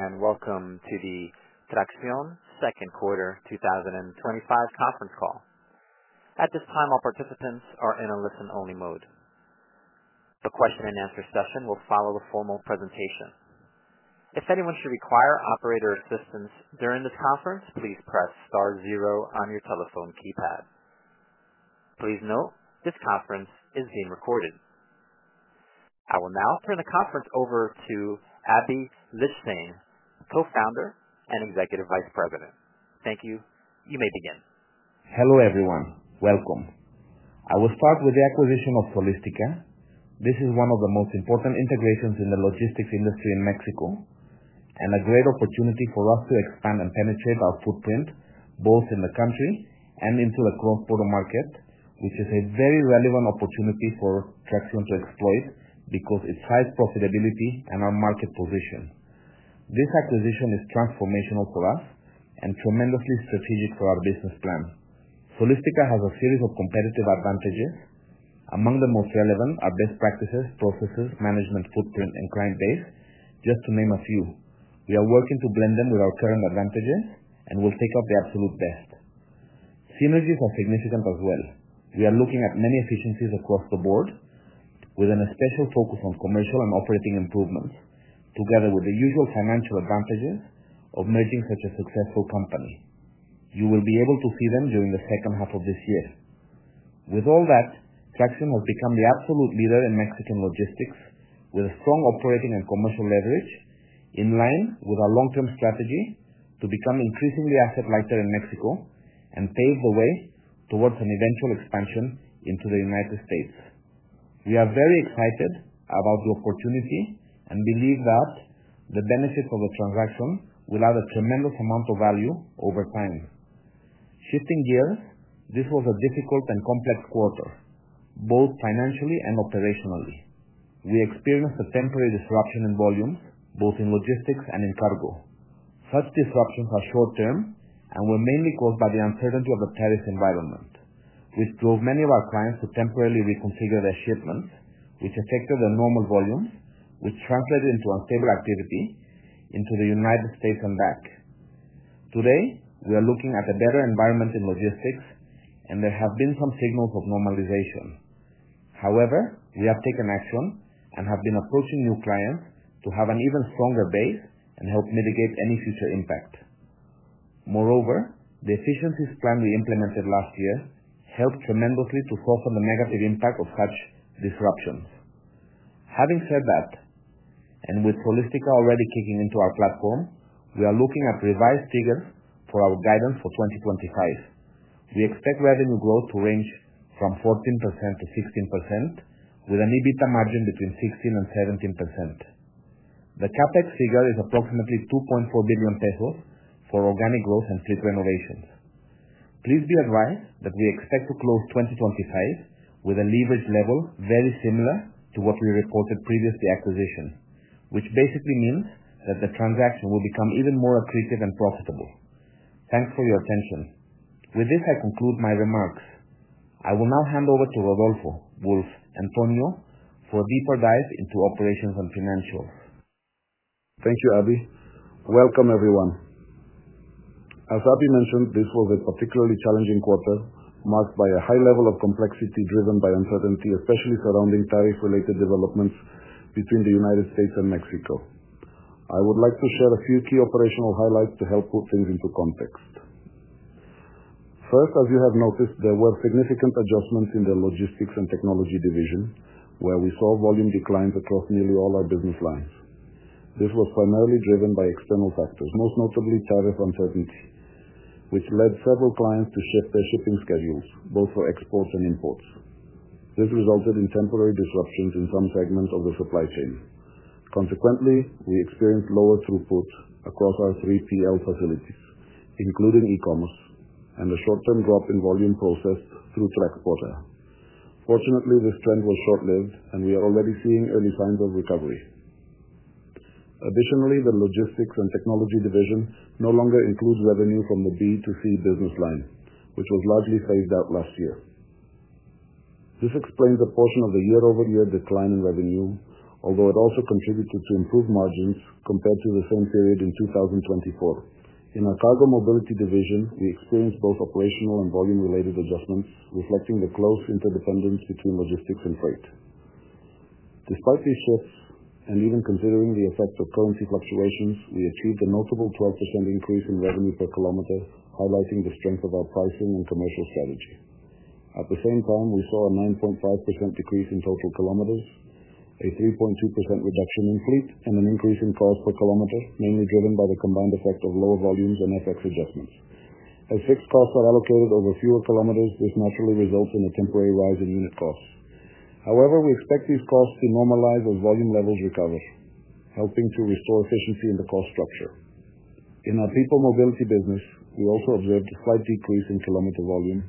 Welcome to the Traxión second quarter 2025 conference call. At this time, all participants are in a listen-only mode. The question and answer session will follow a formal presentation. If anyone should require operator assistance during this conference, please press star zero on your telephone keypad. Please note this conference is being recorded. I will now turn the conference over to Aby Lijtszain Chernizky, Co-founder and Executive Vice President. Thank you. You may begin. Hello everyone. Welcome. I will start with the acquisition of Solistica. This is one of the most important integrations in the logistics industry in Mexico and a great opportunity for us to expand and penetrate our footprint both in the country and into the cross-border market, which is a very relevant opportunity for Traxión to exploit because of its high profitability and our market position. This acquisition is transformational for us and tremendously strategic for our business plan. Solistica has a series of competitive advantages. Among the most relevant are best practices, processes, management, footprint, and client base, just to name a few. We are working to blend them with our current advantages and will take out the absolute best. Synergies are significant as well. We are looking at many efficiencies across the board, with an especially focus on commercial and operating improvements, together with the usual financial advantages of merging such a successful company. You will be able to see them during the second half of this year. With all that, Traxión has become the absolute leader in Mexican logistics, with a strong operating and commercial leverage in line with our long-term strategy to become increasingly asset-light in Mexico and pave the way towards an eventual expansion into the United States. We are very excited about the opportunity and believe that the benefits of the transaction will add a tremendous amount of value over time. Shifting gears, this was a difficult and complex quarter, both financially and operationally. We experienced a temporary disruption in volume, both in logistics and in cargo. Such disruptions are short-term and were mainly caused by the uncertainty of the tariff environment, which drove many of our clients to temporarily reconfigure their shipments, which affected their normal volumes, which translated into unstable activity into the United States and back. Today, we are looking at a better environment in logistics, and there have been some signals of normalization. However, we have taken action and have been approaching new clients to have an even stronger base and help mitigate any future impact. Moreover, the efficiencies plan we implemented last year helped tremendously to soften the negative impact of such disruptions. Having said that, and with Solistica already kicking into our platform, we are looking at revised figures for our guidance for 2025. We expect revenue growth to range from 14% to 16%, with an EBITDA margin between 16% and 17%. The CapEx figure is approximately $2.4 billion pesos for organic growth on fleet renovations. Please be advised that we expect to close 2025 with a leverage level very similar to what we reported previous to the acquisition, which basically means that the transaction will become even more accretive and profitable. Thanks for your attention. With this, I conclude my remarks. I will now hand over to Rodolfo, Wolf, and Antonio for a deeper dive into operations and financials. Thank you, Aby. Welcome, everyone. As Aby mentioned, this was a particularly challenging quarter, marked by a high level of complexity driven by uncertainty, especially surrounding tariff-related developments between the United States and Mexico. I would like to share a few key operational highlights to help put things into context. First, as you have noticed, there were significant adjustments in the Logistics and Technology division, where we saw volume declines across nearly all our business lines. This was primarily driven by external factors, most notably tariff-related uncertainty, which led several clients to shift their shipping schedules, both for exports and imports. This resulted in temporary disruptions in some segments of the supply chain. Consequently, we experienced lower throughputs across our 3PL facilities, including e-commerce, and a short-term drop in volume processed through Traxión quarter. Fortunately, this trend was short-lived, and we are already seeing early signs of recovery. Additionally, the Logistics and Technology division no longer includes revenue from the B2C business line, which was largely phased out last year. This explains a portion of the year-over-year decline in revenue, although it also contributed to improved margins compared to the same period in 2024. In our Cargo Mobility division, we experienced both operational and volume-related adjustments, reflecting the close interdependence between logistics and freight. Despite these shifts, and even considering the effect of currency fluctuations, we achieved a notable 12% increase in revenue per kilometer, highlighting the strength of our pricing and commercial strategy. At the same time, we saw a 9.5% decrease in total kilometers, a 3.2% reduction in fleet, and an increase in cost per kilometer, mainly driven by the combined effect of lower volumes and FX adjustments. As shipped costs are allocated over fewer kilometers, this naturally results in a temporary rise in unit costs. However, we expect these costs to normalize as volume levels recover, helping to restore efficiency in the cost structure. In our People Mobility business, we also observed a slight decrease in kilometer volume,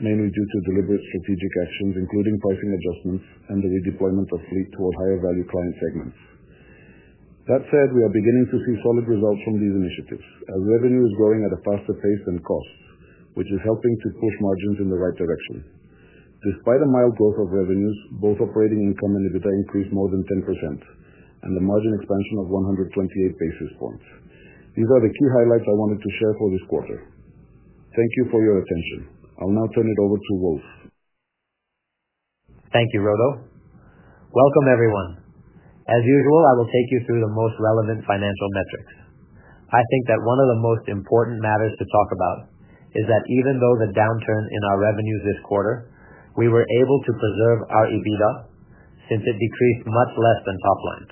mainly due to deliberate strategic actions, including pricing adjustments and the redeployment of fleet toward higher-value client segments. That said, we are beginning to see solid results from these initiatives, as revenue is growing at a faster pace than cost, which is helping to push margins in the right direction. Despite a mild growth of revenues, both operating income and EBITDA increased more than 10%, and the margin expansion of 128 basis points formed. These are the key highlights I wanted to share for this quarter. Thank you for your attention. I'll now turn it over to Wolf. Thank you, Rodo. Welcome, everyone. As usual, I will take you through the most relevant financial metrics. I think that one of the most important matters to talk about is that even though the downturn in our revenues this quarter, we were able to preserve our EBITDA since it decreased much less than topline.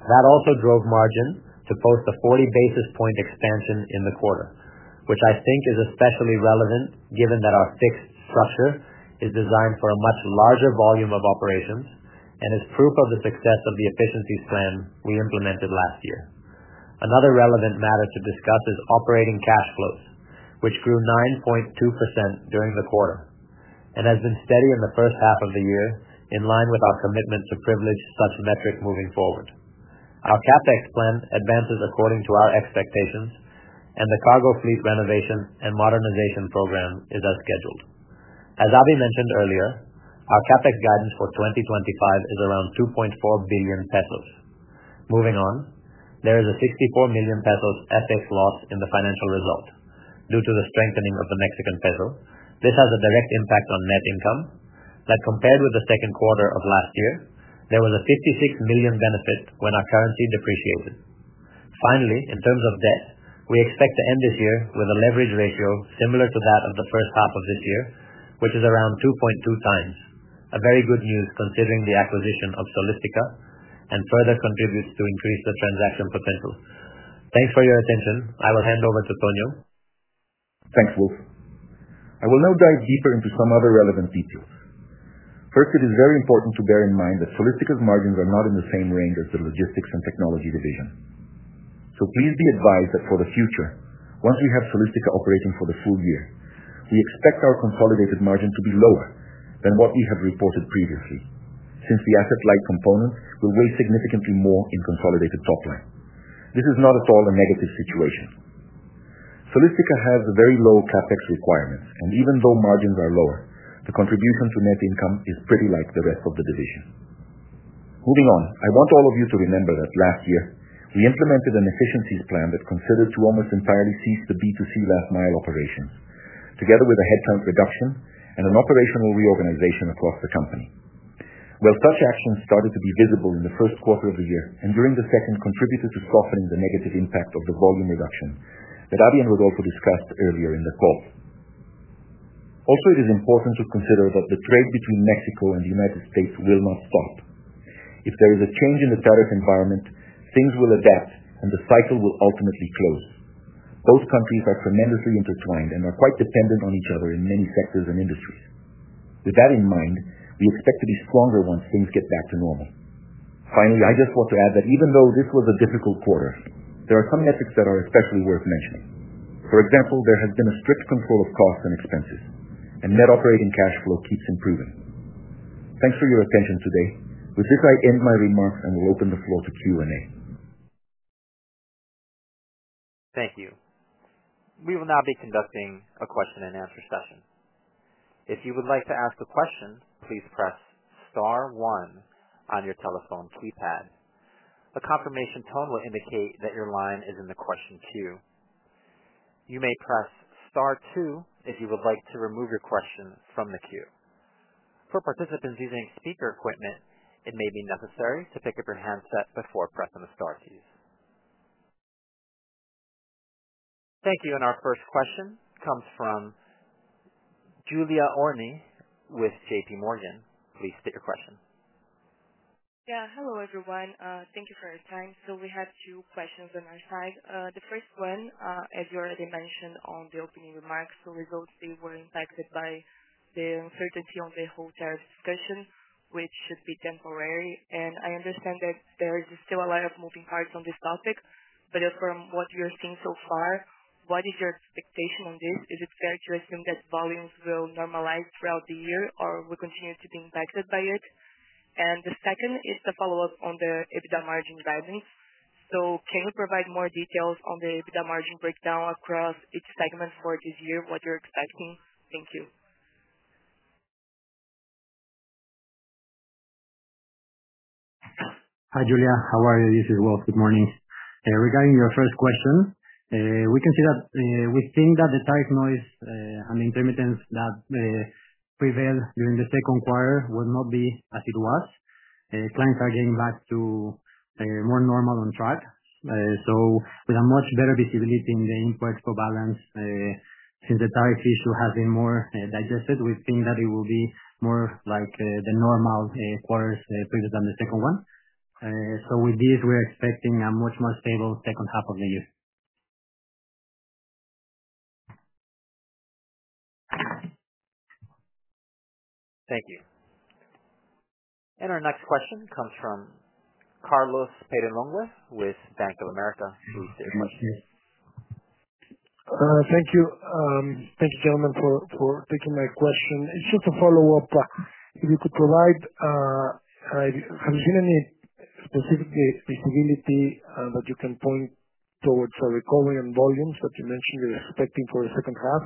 That also drove margin to post a 40 basis point expansion in the quarter, which I think is especially relevant given that our fixed structure is designed for a much larger volume of operations and is proof of the success of the efficiencies plan we implemented last year. Another relevant matter to discuss is operating cash flows, which grew 9.2% during the quarter and has been steady in the first half of the year, in line with our commitment to privilege such metrics moving forward. Our CapEx plan advances according to our expectations, and the cargo fleet renovation and modernization program is as scheduled. As Aby mentioned earlier, our CapEx guidance for 2025 is around $2.4 billion pesos. Moving on, there is a $64 million pesos FX loss in the financial result due to the strengthening of the Mexican peso. This has a direct impact on net income that, compared with the second quarter of last year, there was a $56 million benefit when our currency depreciated. Finally, in terms of debt, we expect to end this year with a leverage ratio similar to that of the first half of this year, which is around 2.2 times, a very good use considering the acquisition of Solistica and further contributes to increase the transaction potential. Thanks for your attention. I will hand over to Antonio. Thanks, Wolf. I will now dive deeper into some other relevant details. First, it is very important to bear in mind that Solistica's margins are not in the same range as the Logistics and Technology division. Please be advised that for the future, once we have Solistica operating for the full year, we expect our consolidated margin to be lower than what we have reported previously, since the asset-light component will weigh significantly more in consolidated topline. This is not at all a negative situation. Solistica has very low CapEx requirements, and even though margins are lower, the contribution to net income is pretty like the rest of the division. Moving on, I want all of you to remember that last year, we implemented an efficiencies plan that considered to almost entirely cease the B2C last mile operations, together with a headcount reduction and an operational reorganization across the company. While such actions started to be visible in the first quarter of the year and during the second contributed to softening the negative impact of the volume reduction that Aby and Rodolfo discussed earlier in their calls, it is always important to consider that the trade between Mexico and the United States will not stop. If there is a change in the tariff environment, things will adapt and the cycle will ultimately close. Both countries are tremendously intertwined and are quite dependent on each other in many sectors and industries. With that in mind, we expect to be stronger once things get back to normal. Finally, I just want to add that even though this was a difficult quarter, there are some metrics that are especially worth mentioning. For example, there has been a strict control of costs and expenses, and net operating cash flow keeps improving. Thanks for your attention today. With this, I end my remarks and will open the floor to Q&A. Thank you. We will now be conducting a question and answer session. If you would like to ask a question, please press star one on your telephone keypad. A confirmation tone will indicate that your line is in the question queue. You may press star two if you would like to remove your question from the queue. For participants using speaker equipment, it may be necessary to pick up your handset before pressing the star keys. Thank you. Our first question comes from Julia Ornelas with JPMorgan. Please state your question. Yeah. Hello everyone. Thank you for your time. We have two questions on our side. The first one, as you already mentioned in the opening remarks, results were impacted by the uncertainty on the whole tariff discussion, which should be temporary. I understand that there are still a lot of moving parts on this topic. From what we are seeing so far, what is your expectation on this? Is it fair to assume that volumes will normalize throughout the year or will they continue to be impacted by it? The second is to follow up on the EBITDA margin guidance. Can you provide more details on the EBITDA margin breakdown across each segment for this year, what you're expecting? Thank you. Hi, Julia. How are you? This is Wolf. Good morning. Regarding your first question, we can see that we think that the tariff noise and the intermittence that prevailed during the second quarter will not be as it was. Clients are getting back to their more normal on track, with a much better visibility in the imports for balance, since the tariff issue has been more digested. We think that it will be more like the normal quarters previous than the second one. With this, we're expecting a much, much more stable second half of the year. Thank you. Our next question comes from Carlos Peyrelongue with Bank of America. Thank you. Thank you, gentlemen, for taking my question. It's just a follow-up. If you could provide, I haven't seen any specific visibility that you can point towards for recovery in volumes that you mentioned you're expecting for the second half.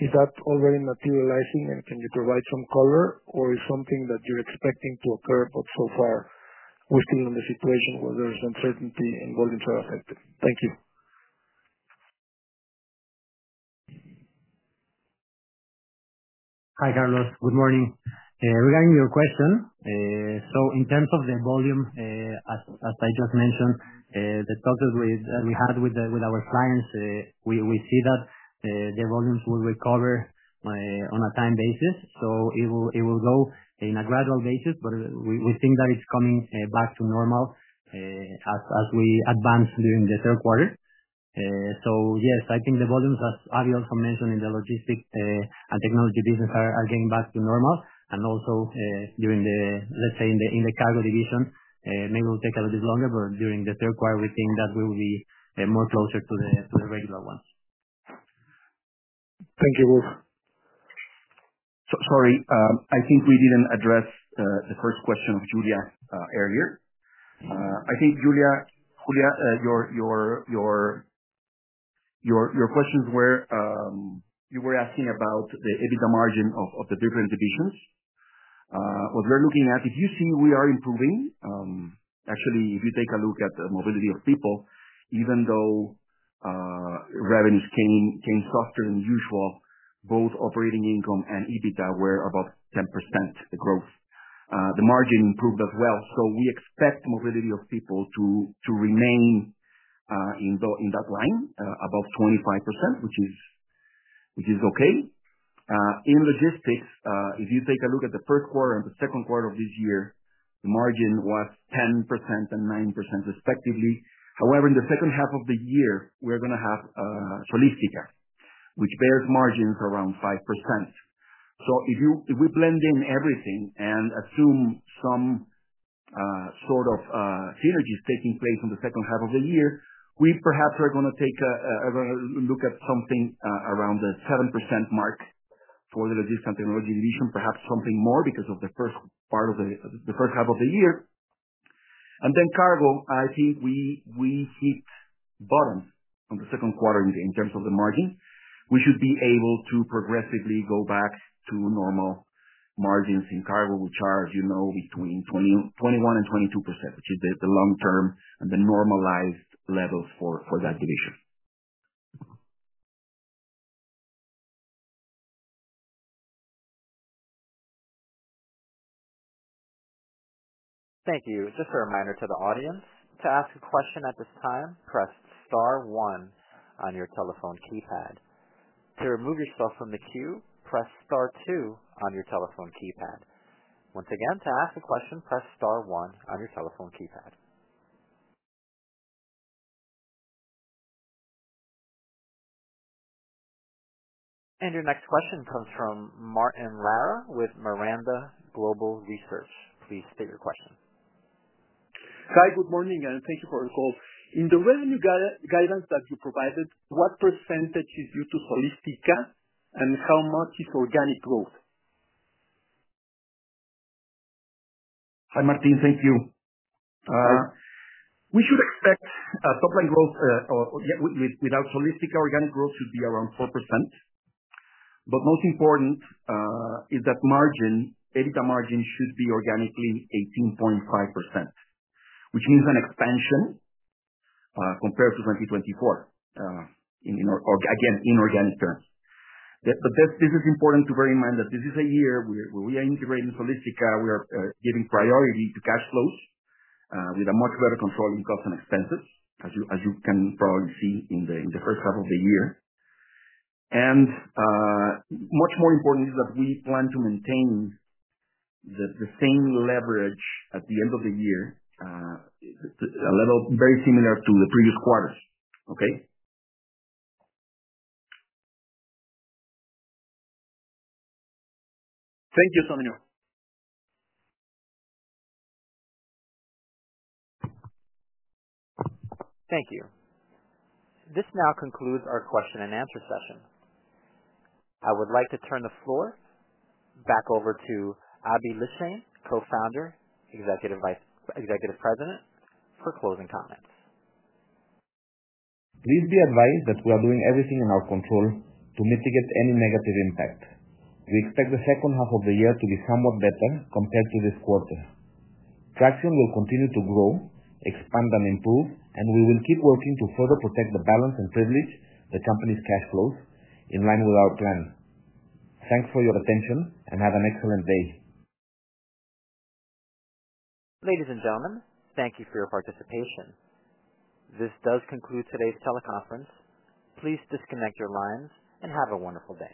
Is that already materializing, and can you provide some color, or is it something that you're expecting to occur? So far, we're still in the situation where there is uncertainty and volumes are affected. Thank you. Hi, Carlos. Good morning. Regarding your question, in terms of the volume, as I just mentioned, the talk that we had with our clients, we see that their volumes will recover on a time basis. It will go in a gradual basis, but we think that it's coming back to normal as we advance during the third quarter. Yes, I think the volumes, as Aby also mentioned, in the Logistics and Technology business are getting back to normal. Also, in the Cargo Mobility division, they will take a little bit longer, but during the third quarter, we think that we will be more closer to the regular one. Thank you, Wolf. Sorry, I think we didn't address the first question of Julia earlier. I think, Julia, your questions were you were asking about the EBITDA margin of the different divisions. What we're looking at, if you see, we are improving. Actually, if you take a look at the mobility of people, even though revenues came softer than usual, both operating income and EBITDA were above 10% growth. The margin improved as well. We expect mobility of people to remain in that line, above 25%, which is okay. In logistics, if you take a look at the first quarter and the second quarter of this year, the margin was 10% and 9% respectively. However, in the second half of the year, we're going to have Solistica, which bears margins around 5%. If we blend in everything and assume some sort of synergies taking place in the second half of the year, we perhaps are going to take a look at something around the 7% mark for the Logistics and Technology division, perhaps something more because of the first part of the first half of the year. In cargo, I think we hit bottom on the second quarter in terms of the margin. We should be able to progressively go back to normal margins in cargo, which are, as you know, between 21% and 22%, which is the long-term and the normalized levels for that division. Thank you. Just a reminder to the audience to ask a question at this time, press star one on your telephone keypad. To remove yourself from the queue, press star two on your telephone keypad. Once again, to ask a question, press star one on your telephone keypad. Your next question comes from Martin Lara with Miranda Global Research. Please state your question. Hi, good morning, and thank you for the call. In the revenue guidance that you provided, what percentage is due to Solistica and how much is organic growth? Hi, Martin. Thank you. We should expect topline growth, or without Solistica, organic growth should be around 4%. Most important is that EBITDA margin should be organically 18.5%, which means an expansion compared to 2024, again, in organic terms. This is important to bear in mind because this is a year where we are integrating Solistica. We are giving priority to cash flows with a much better control in costs and expenses, as you can probably see in the first half of the year. Much more important is that we plan to maintain the same leverage at the end of the year, a level very similar to the previous quarter. Okay? Thank you, Antonio. Thank you. This now concludes our question and answer session. I would like to turn the floor back over to Aby Lijtszain, Co-founder, Executive Vice President, for closing comments. Please be advised that we are doing everything in our control to mitigate any negative impact. We expect the second half of the year to be somewhat better compared to this quarter. Traxión will continue to grow, expand, and improve, and we will keep working to further protect the balance and privilege the company's cash flows in line with our plan. Thanks for your attention and have an excellent day. Ladies and gentlemen, thank you for your participation. This does conclude today's teleconference. Please disconnect your lines and have a wonderful day.